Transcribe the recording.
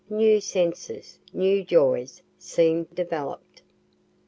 New senses, new joys, seem develop'd.